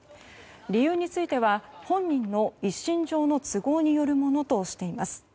理由については、本人の一身上の都合によるものとしています。